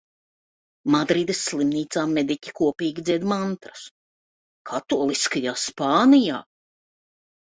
Madrides slimnīcā mediķi kopīgi dzied mantras. Katoliskajā Spānijā!